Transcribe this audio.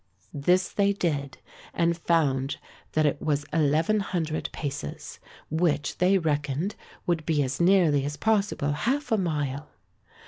This they did and found that it was 1100 paces, which they reckoned would be as nearly as possible half a mile.